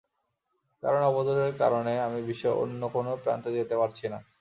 কারণ, অবরোধের কারণে আমি বিশ্বের অন্য কোনো প্রান্তে যেতে পারছি না।